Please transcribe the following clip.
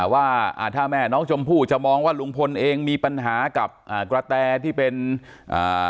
ว่าอ่าถ้าแม่น้องชมพู่จะมองว่าลุงพลเองมีปัญหากับอ่ากระแตที่เป็นอ่า